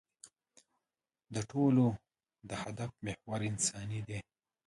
د ټولو د هدف محور انساني دی.